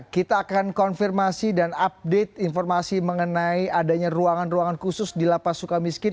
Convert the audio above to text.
kita akan konfirmasi dan update informasi mengenai adanya ruangan ruangan khusus di lapas suka miskin